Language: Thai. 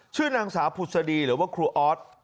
ชื่อนางสาวผุศดีหรือว่าครูออส